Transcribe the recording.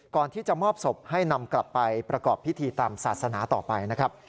ก่อนที่จะมอบศพให้นำกลับไปประกอบพิธีตามศาสนาต่อไปนะครับ